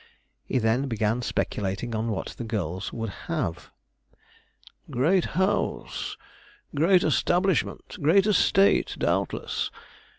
He then began speculating on what the girls would have. 'Great house great establishment great estate, doubtless.